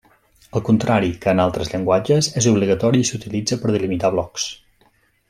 Al contrari que en altres llenguatges, és obligatori i s'utilitza per delimitar blocs.